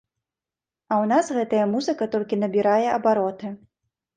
А ў нас гэтая музыка толькі набірае абароты.